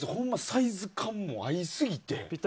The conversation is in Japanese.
サイズ感も合いすぎて。